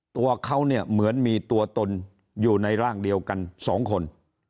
ตัวเขาเนี่ยเหมือนมีตัวตนอยู่ในร่างเดียวกัน๒คน